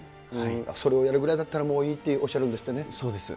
それをやるぐらいだったら、もういいっておっしゃるんですっそうです。